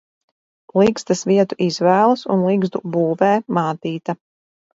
Ligzdas vietu izvēlas un ligzdu būvē mātīte.